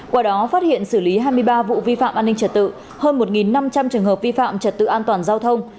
qua đó phát hiện xử lý hai mươi ba vụ vi phạm an ninh trật tự hơn một năm trăm linh trường hợp vi phạm trật tự an toàn giao thông